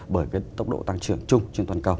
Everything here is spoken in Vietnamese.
bởi cái tốc độ tăng trưởng chung trên toàn cầu